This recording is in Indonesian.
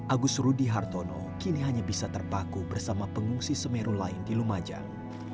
agus rudy hartono kini hanya bisa terpaku bersama pengungsi semeru lain di lumajang